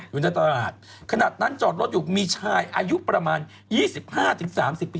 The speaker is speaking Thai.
อยู่ในตลาดขนาดนั้นจอดรถอยู่มีชายอายุประมาณ๒๕๓๐ปี